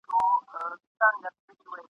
ځان به خلاص کړو له دریم شریک ناولي ..